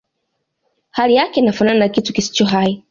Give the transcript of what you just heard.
hali yake inafanana na kitu kisicho hai